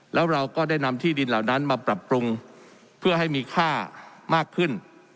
แล้วเราก็ได้นำที่ดินเหล่านั้นมาปรับปรุงเพื่อให้มีค่ามากขึ้น